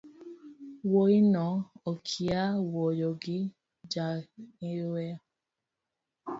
Wuoino okia wuoyo gi jang’iewo